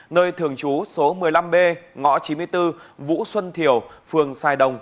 nơi thường trú số một mươi năm b ngõ chín mươi bốn vũ xuân thiều phường sài đồng